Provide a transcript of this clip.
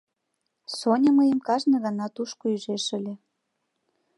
Соня мыйым кажне гана тушко ӱжеш ыле.